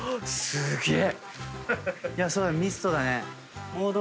すげえ。